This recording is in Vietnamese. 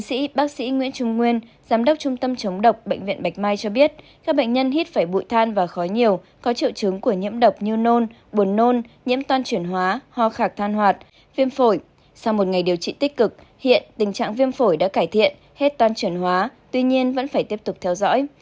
sau một ngày điều trị tích cực hiện tình trạng viêm phổi đã cải thiện hết toàn truyền hóa tuy nhiên vẫn phải tiếp tục theo dõi